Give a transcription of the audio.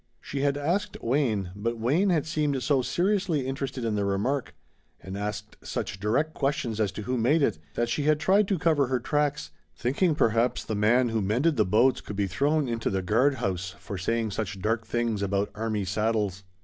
She had asked Wayne, but Wayne had seemed so seriously interested in the remark, and asked such direct questions as to who made it, that she had tried to cover her tracks, thinking perhaps the man who mended the boats could be thrown into the guard house for saying such dark things about army saddles.